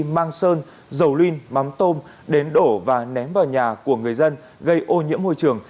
mang sơn dầu ly mắm tôm đến đổ và ném vào nhà của người dân gây ô nhiễm môi trường